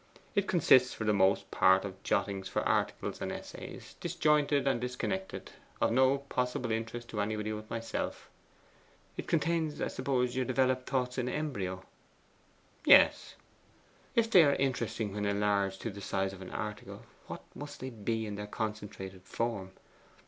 It consists for the most part of jottings for articles and essays, disjointed and disconnected, of no possible interest to anybody but myself.' 'It contains, I suppose, your developed thoughts in embryo?' 'Yes.' 'If they are interesting when enlarged to the size of an article, what must they be in their concentrated form?